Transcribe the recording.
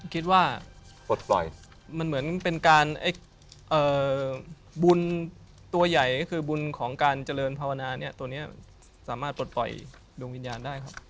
คิดว่าปลดปล่อยมันเหมือนเป็นการบุญตัวใหญ่ก็คือบุญของการเจริญภาวนาเนี่ยตัวนี้สามารถปลดปล่อยดวงวิญญาณได้ครับ